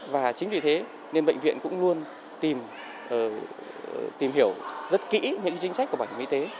và chính vì thế nên bệnh viện cũng luôn tìm hiểu rất kỹ những chính sách của bảo hiểm y tế